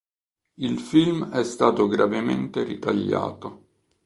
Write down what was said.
Il film è stato gravemente ritagliato.